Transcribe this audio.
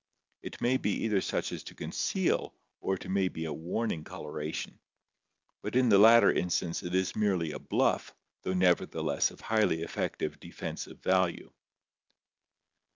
It may be either such as to conceal or it may be a warning coloration, but in the latter instance it is merely a "bluff" though never theless of highly effective defensive value.